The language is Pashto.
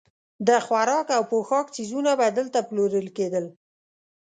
د خوراک او پوښاک څیزونه به دلته پلورل کېدل.